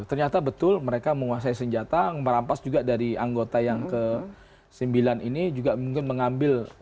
ternyata betul mereka menguasai senjata merampas juga dari anggota yang ke sembilan ini juga mungkin mengambil